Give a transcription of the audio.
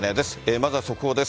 まずは速報です。